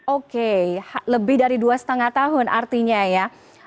oke lebih dari dua lima tahun artinya ya